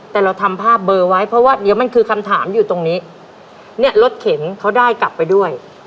แต่เราทำภาพเบอร์ไว้เพราะว่าเดี๋ยวมันคือคำถามอยู่ตรงนี้เนี่ยรถเข็นเขาได้กลับไปด้วย